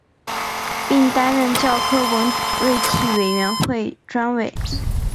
并担任教科文卫体委员会专委。